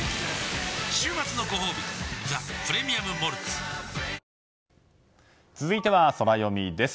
週末のごほうび「ザ・プレミアム・モルツ」続いては、ソラよみです。